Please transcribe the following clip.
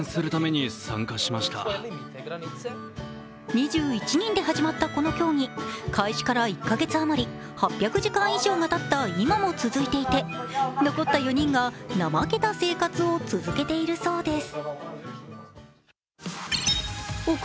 ２１人で始まったこの競技、開始から１か月余り、８００時間以上がたった今も続いていて残った４人が怠けた生活を続けているそうです。